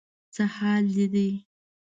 څه حال دې دی؟